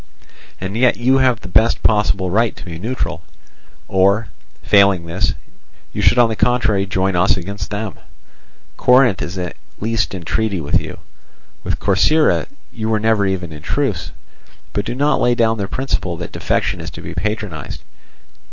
And yet you have the best possible right to be neutral, or, failing this, you should on the contrary join us against them. Corinth is at least in treaty with you; with Corcyra you were never even in truce. But do not lay down the principle that defection is to be patronized.